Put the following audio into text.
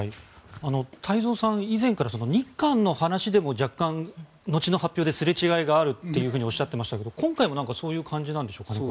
太蔵さん、以前から日韓の話でも若干後の発表で、すれ違いがあるとおっしゃっていましたが今回もそういう感じなんでしょうかね。